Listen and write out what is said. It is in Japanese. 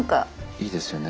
いいですよね。